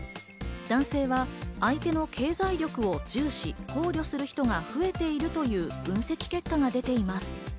男性は相手の経済力を重視、考慮する人が増えているという分析結果が出ています。